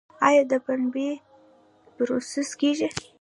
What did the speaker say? آیا د پنبې پروسس کیږي؟